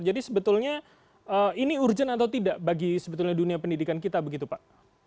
jadi sebetulnya ini urgent atau tidak bagi dunia pendidikan kita begitu pak